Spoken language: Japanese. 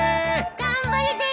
頑張るでーす！